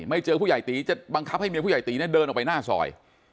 เจอผู้ใหญ่ตีจะบังคับให้เมียผู้ใหญ่ตีเนี่ยเดินออกไปหน้าซอย